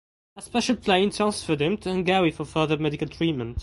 A special plane transferred him to Hungary for further medical treatment.